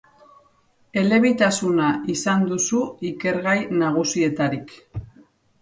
Elebitasuna izan duzu ikergai nagusietarik.